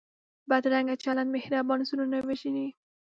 بدرنګه چلند مهربان زړونه وژني